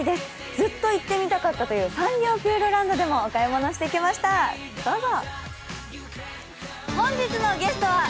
ずっと行ってみたかったというサンリオピューロランドでもお買い物をしてきました、どうぞ！